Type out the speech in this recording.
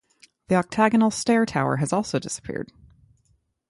The octagonal stair tower has also disappeared.